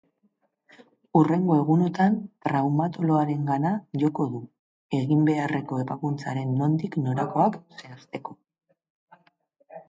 Hurrengo egunotan traumatologoarengana joko du, egin beharreko ebakuntzaren nondik norakoak zehazteko.